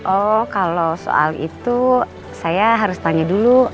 oh kalau soal itu saya harus tanya dulu